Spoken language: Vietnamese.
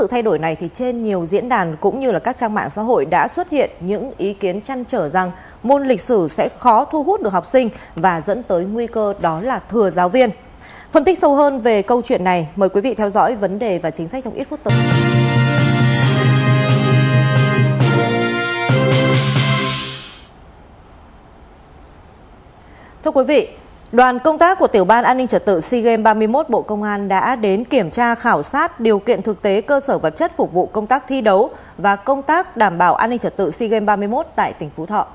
hãy đăng ký kênh để ủng hộ kênh của chúng mình nhé